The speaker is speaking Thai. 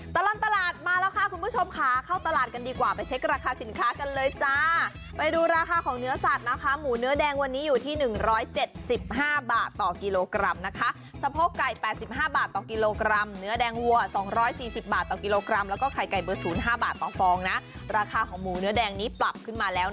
ตลอดตลาดมาแล้วค่ะคุณผู้ชมค่ะเข้าตลาดกันดีกว่าไปเช็คราคาสินค้ากันเลยจ้าไปดูราคาของเนื้อสัตว์นะคะหมูเนื้อแดงวันนี้อยู่ที่๑๗๕บาทต่อกิโลกรัมนะคะสะโพกไก่๘๕บาทต่อกิโลกรัมเนื้อแดงวัว๒๔๐บาทต่อกิโลกรัมแล้วก็ไข่ไก่เบอร์๐๕บาทต่อฟองนะราคาของหมูเนื้อแดงนี้ปรับขึ้นมาแล้ว